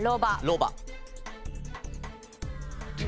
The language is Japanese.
ロバ。